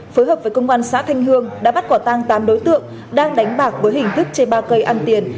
phối hợp với công an xã thanh hương đã bắt quả tang tám đối tượng đang đánh bạc với hình thức chê ba cây ăn tiền